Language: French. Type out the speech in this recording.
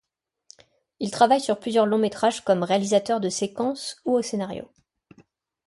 Il travaille sur plusieurs longs métrages comme réalisateur de séquences ou au scénario.